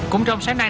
cũng trong sáng nay